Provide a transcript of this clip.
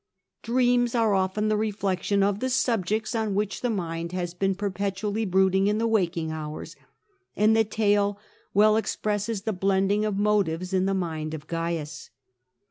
'^ Dreams are often the reflection of the subjects on which the mind has been perpetually brooding in the leaking hours, and the tale well expresses the blending of motives in the mind of Cains.